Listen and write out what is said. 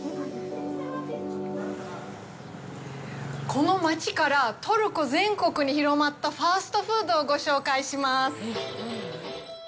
この街からトルコ全国に広まったファストフードをご紹介します。